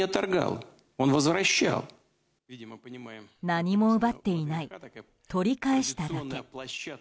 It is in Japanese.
何も奪っていない取り返しただけ。